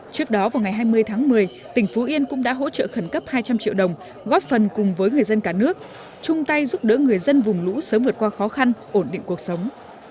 trước đó vào ngày hai mươi tháng một mươi tỉnh phú yên cũng đã hỗ trợ khẩn cấp hai trăm linh triệu đồng góp phần cùng với người dân cả nước chung tay giúp đỡ người dân vùng lũ sớm vượt qua khó khăn ổn định cuộc sống